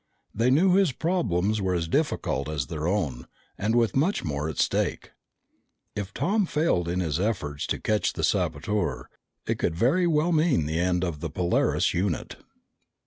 They knew his problems were as difficult as their own, and with much more at stake. If Tom failed in his efforts to catch the saboteur, it could very well mean the end of the Polaris unit.